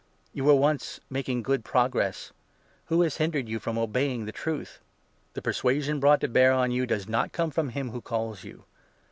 You were once making good progress ! Who has hindered 7 you from obeying the Truth ? The persuasion brought to bear 8 on you does not come from him who calls you.